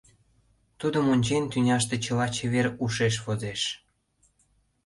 Тудым ончен, тӱняште чыла чевер ушеш возеш.